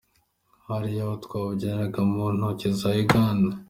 Hariya aho twabungeraga mu ntoke za Uganda?